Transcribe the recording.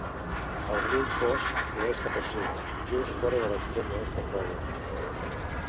El riu Foss flueix cap al sud, just fora de l"extrem oest del poble.